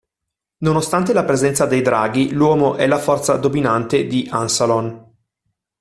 Nonostante la presenza dei draghi, l'uomo è la forza dominante di Ansalon.